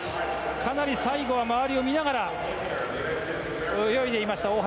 かなり最後は周りを見ながら泳いでいた大橋。